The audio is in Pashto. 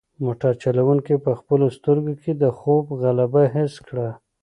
موټر چلونکی په خپلو سترګو کې د خوب غلبه حس کړه.